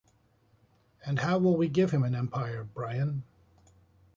And how will we give him an Empire, Brion?